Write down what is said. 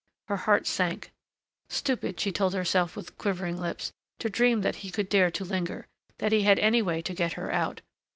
Her heart sank. Stupid, she told herself with quivering lips, to dream that he could dare to linger, that he had any way to get her out.